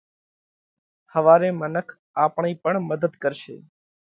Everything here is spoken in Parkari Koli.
ۿوَاري منک آپڻئِي پڻ مڌت ڪرشي۔